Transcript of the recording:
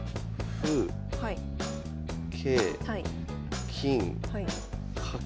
歩桂金角。